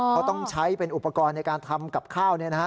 เขาต้องใช้เป็นอุปกรณ์ในการทำกับข้าว